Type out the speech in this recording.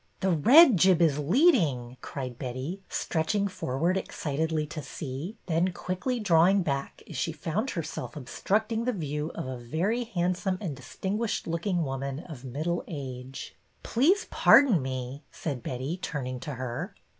The red jib is leading," cried Betty, stretch ing forward excitedly to see, then quickly drawing back as she found herself obstructing the view of a very handsome and distinguished looking woman of middle age. '' Please pardon me," said Betty, turning to her.